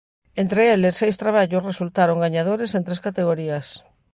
Entre eles, seis traballos resultaron gañadores en tres categorías.